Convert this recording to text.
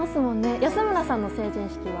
安村さんの成人式は？